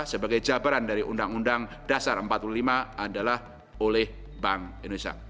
sebagai jabaran dari undang undang dasar empat puluh lima adalah oleh bank indonesia